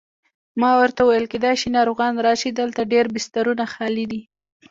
ما ورته وویل: کېدای شي ناروغان راشي، دلته ډېر بسترونه خالي دي.